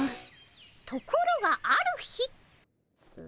ところがある日。